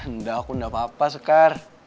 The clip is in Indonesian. enggak aku enggak apa apa sekar